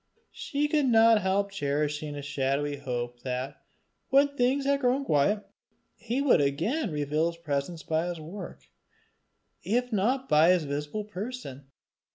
She could not help cherishing a shadowy hope that, when things had grown quiet, he would again reveal his presence by his work, if not by his visible person.